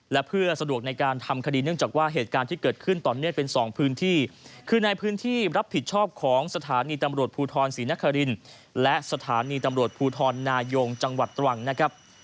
และเพื่อสะดวกในการทำคดีเนื่องจากว่าเหตุการณ์ที่เกิดขึ้นต่อเนื่องเป็นสองพื้นที่คือในพื้นที่รับผิดชอบของสถานีตำรวจภูทรศรีนครินและสถานีตำรวจภูทรนายงจังหวัดตรังนะครับ